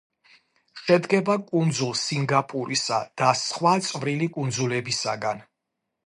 შედგება კუნძულ სინგაპურისა და სხვა წვრილი კუნძულებისაგან.